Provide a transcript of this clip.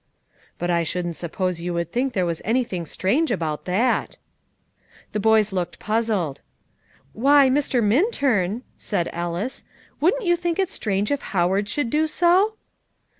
"But I shouldn't suppose you would think there was anything strange about that." The boys looked puzzled. "Why, Mr. Minturn!" said Ellis; "wouldn't you think it strange if Howard should do so?"